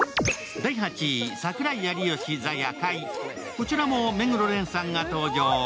こちらも目黒蓮さんが登場。